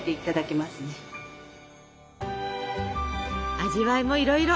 味わいもいろいろ！